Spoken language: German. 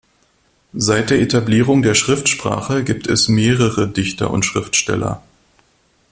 Seit der Etablierung der Schriftsprache gibt es mehrere Dichter und Schriftsteller.